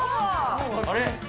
あれ？